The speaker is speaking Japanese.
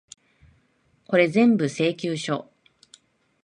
これぜんぶ、請求書。